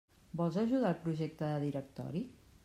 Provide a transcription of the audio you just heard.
Vols ajudar el Projecte de Directori?